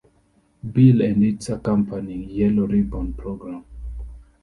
Bill and its accompanying Yellow Ribbon program.